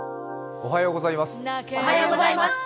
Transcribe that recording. おはようございます。